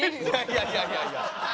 いやいやいやいや。